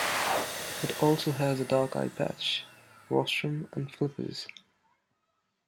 It also has a dark eye patch, rostrum, and flippers.